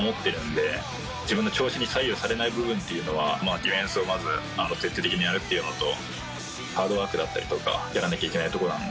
自分の調子に左右されない部分っていうのはディフェンスをまず徹底的にやるっていうのとハードワークだったりとかやらなきゃいけないとこなんで。